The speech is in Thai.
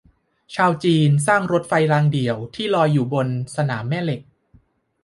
ชาวจีนสร้างรถไฟรางเดี่ยวที่ลอยอยู่บนสนามแม่เหล็ก